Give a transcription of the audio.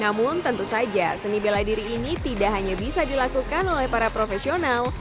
namun tentu saja seni bela diri ini tidak hanya bisa dilakukan oleh para profesional